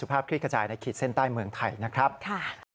ภาพคลิกกระจายในขีดเส้นใต้เมืองไทยนะครับ